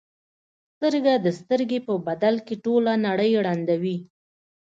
سترګه د سترګې په بدل کې ټوله نړۍ ړندوي.